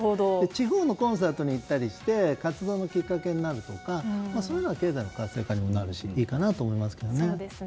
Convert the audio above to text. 地方のコンサートに行ったりして活動のきっかけになれば経済の活性化になるのでいいかなと思いますけどね。